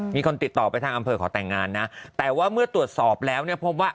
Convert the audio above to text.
มีคนติดต่อไปทางอำเภอขอแต่งงานนะแต่ว่าเมื่อตรวจสอบแล้วเนี่ยพบว่า